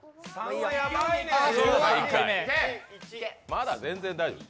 まだ全然大丈夫。